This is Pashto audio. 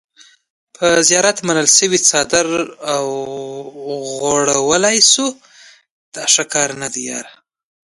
په زيارت منلے شوے څادر اوغوړولے شو۔